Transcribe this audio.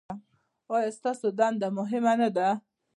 ایا ستاسو دنده مهمه نه ده؟